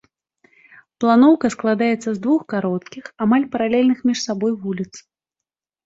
Планоўка складаецца з двух кароткіх амаль паралельных паміж сабой вуліц.